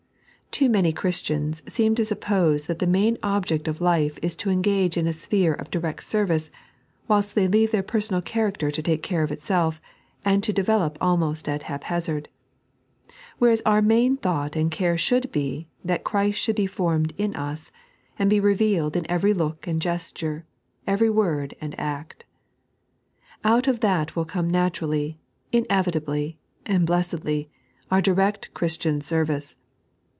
Too many Christians seem to suppose that the main object of life is to engage in a sphere of direct service, whilst they leave their personal character to take care of itself, and to develop almost at haphazard ; whereas our main thought and care should be that Christ should be formed in us, and be revealed in every look and gesture, every word and act. Out of that will come naturally, inevitably, and blessedly, our direct Christian service.